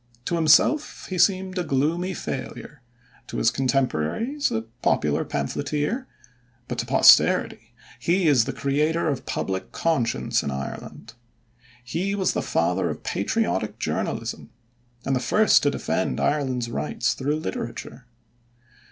To himself he seemed a gloomy failure, to his contemporaries a popular pamphleteer, but to posterity he is the creator of public conscience in Ireland. He was the father of patriotic journalism, and the first to defend Ireland's rights through literature.